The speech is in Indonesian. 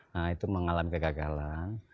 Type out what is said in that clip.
nah itu mengalami kegagalan